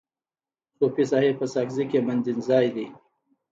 صوفي صاحب په ساکزی کي مندینزای دی.